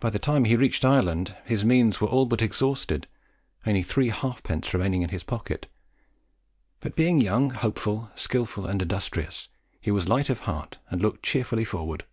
By the time he reached Ireland his means were all but exhausted, only three halfpence remaining in his pocket; but, being young, hopeful, skilful, and industrious, he was light of heart, and looked cheerfully forward.